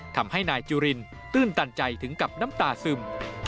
ทำให้นายจุรินตื้นตันใจถึงกับน้ำตาซึม